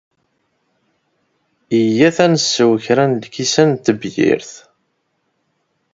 Iyyat ad nsew kra n lkisan n tebyirt.